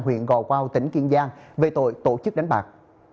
huyện gò quao tỉnh kiên giang về tội tổ chức đánh bạc